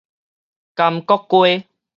甘谷街